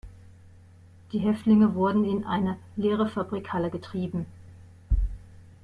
Die Häftlinge wurden in eine leere Fabrikhalle getrieben.